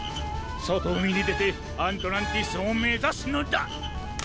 そとうみにでてアントランティスをめざすのだ！